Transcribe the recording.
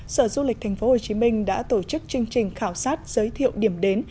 sở du lịch tp hcm đã tổ chức chương trình khảo sát giới thiệu điểm đến